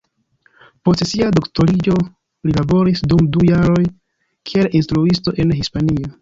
Post sia doktoriĝo li laboris dum du jaroj kiel instruisto en Hispanio.